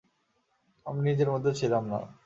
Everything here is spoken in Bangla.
আমি নিজের মধ্যে ছিলাম না!